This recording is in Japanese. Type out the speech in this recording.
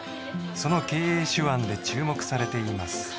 その経営手腕で注目されています